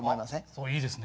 それいいですね。